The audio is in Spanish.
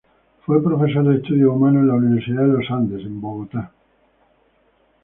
Fue profesor de estudios humanos en la Universidad de los Andes en Bogotá.